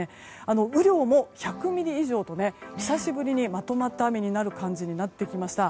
雨量も１００ｍｍ以上と久しぶりにまとまった雨になる感じになってきました。